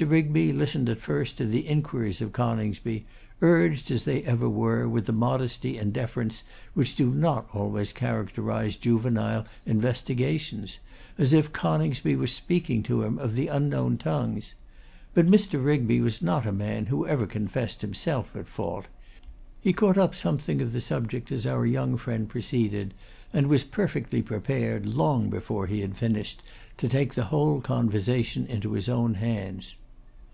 Rigby listened at first to the inquiries of Coningsby, urged, as they ever were, with a modesty and deference which do not always characterise juvenile investigations, as if Coningsby were speaking to him of the unknown tongues. But Mr. Rigby was not a man who ever confessed himself at fault. He caught up something of the subject as our young friend proceeded, and was perfectly prepared, long before he had finished, to take the whole conversation into his own hands.